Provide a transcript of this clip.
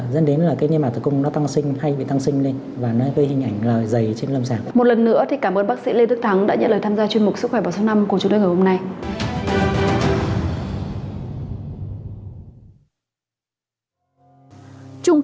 dân đến là cái niêm mạc tử cung nó tăng sinh hay bị tăng sinh lên và nó gây hình ảnh là dày trên lâm sản